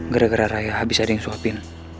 gara gara raya habis ada yang suapin